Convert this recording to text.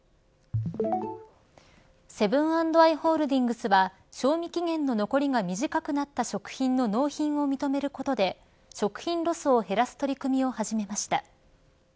セブン＆アイ・ホールディングスは賞味期限の残りが短くなった食品の納品を認めることで、食品ロスを減らす取り組みを始めました。